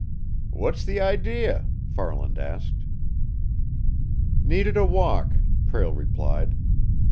"What's the idea?" Farland asked. "Needed a walk," Prale replied.